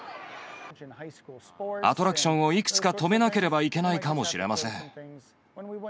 アトラクションをいくつか止めなければいけないかもしれません。